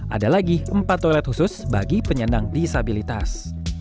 ada lagi empat toilet khusus bagi penyandang disabilitas